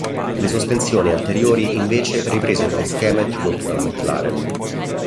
Le sospensioni anteriori invece ripresero lo schema introdotto dalla McLaren.